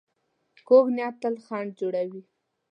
کوږ نیت تل خنډ جوړوي